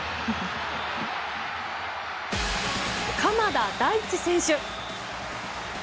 鎌田大地選手！